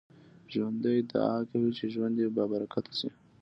ژوندي دعا کوي چې ژوند يې بابرکته شي